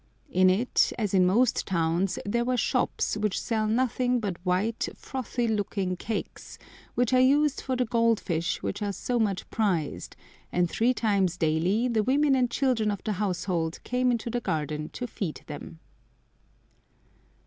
In it, as in most towns, there were shops which sell nothing but white, frothy looking cakes, which are used for the goldfish which are so much prized, and three times daily the women and children of the household came into the garden to feed them.